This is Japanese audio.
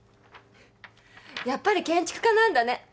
やっぱり建築家なんだね。